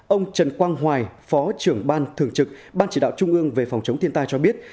ông trần quang hoài phó trưởng ban thường trực ban chỉ đạo trung ương về phòng chống thiên tai cho biết